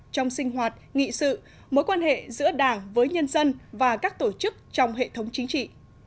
trong sinh hoạt nghị sự mối quan hệ giữa đảng với nhân dân và các tổ chức trong hệ thống chính trị